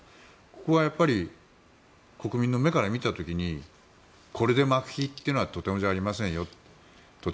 ここはやっぱり国民の目から見た時にこれで幕引きはとてもじゃありませんよと。